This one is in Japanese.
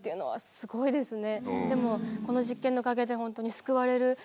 すごいですね。